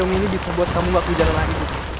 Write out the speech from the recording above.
semoga payung ini bisa buat kamu nggak kejalan lagi kutri